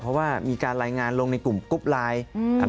เพราะว่ามีการรายงานลงในกลุ่มกรุ๊ปไลน์